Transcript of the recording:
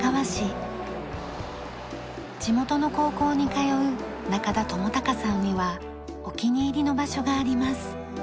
地元の高校に通う中田智隆さんにはお気に入りの場所があります。